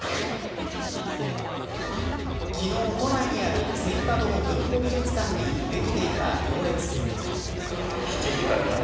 昨日、都内にある静嘉堂文庫美術館にできていた行列。